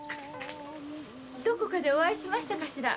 どこかでお会いしましたかしら？